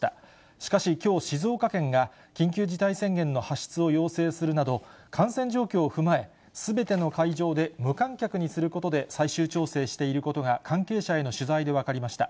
しかしきょう、静岡県が緊急事態宣言の発出を要請するなど、感染状況を踏まえ、すべての会場で無観客にすることで、最終調整していることが関係者への取材で分かりました。